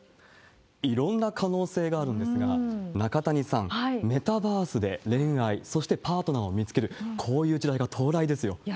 いろんな可能性があるんですが、中谷さん、メタバースで恋愛、そしてパートナーを見つける、こういう時代が到来ですよ。